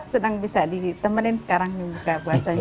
sedang bisa ditemenin sekarang buka puasanya